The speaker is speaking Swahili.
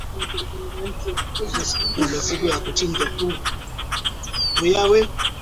Kujua kuwa anatakiwa amalize kazi ndani ya saa ishirini na nne hakubeba mizigo mingi